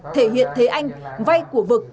thể hiện thế anh vay của vực